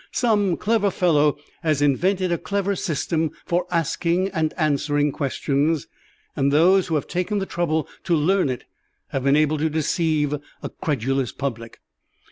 "Some clever fellow has invented a clever system for asking and answering questions, and those who have taken the trouble to learn it have been able to deceive a credulous public."